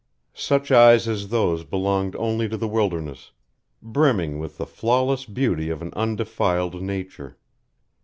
Such eyes as those belonged only to the wilderness, brimming with the flawless beauty of an undefiled nature.